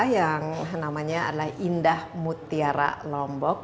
yang namanya adalah indah mutiara lombok